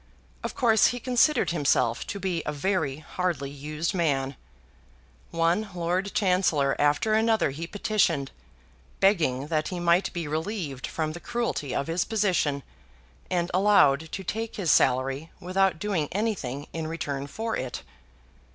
Of course he considered himself to be a very hardly used man. One Lord Chancellor after another he petitioned, begging that he might be relieved from the cruelty of his position, and allowed to take his salary without doing anything in return for it.